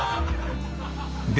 で